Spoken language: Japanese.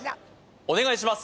お願いします